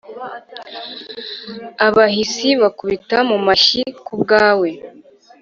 Abahisi bakubita mu mashyi ku bwawe,